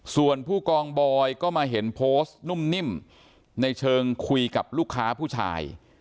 ส่วนผู้กองบอยก็มาเห็นโพสต์นุ่มนิ่มในเชิงคุยกับลูกค้าผู้ชาย